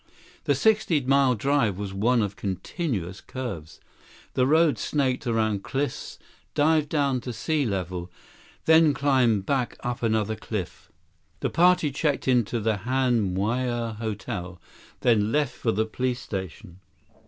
The sixty mile drive was one of continuous curves. The road snaked around cliffs, dived down to sea level, then climbed back up another cliff. The party checked into the Han Maui Hotel, then left for the police station.